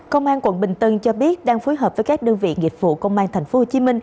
công an quận bình tân cho biết đang phối hợp với các đơn vị nghiệp vụ công an tp hcm